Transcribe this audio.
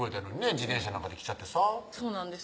自転車なんかで来ちゃってさそうなんですよ